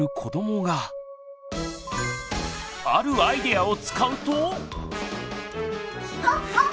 あるアイデアを使うと。